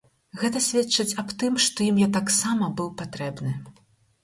Гэта сведчыць ад тым, што ім я таксама быў патрэбны.